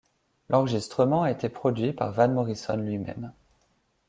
L'enregistrement a été produit par Van Morrison lui-même.